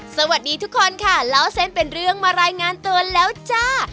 สวัสดีทุกคนค่ะเล่าเส้นเป็นเรื่องมารายงานตัวแล้วจ้า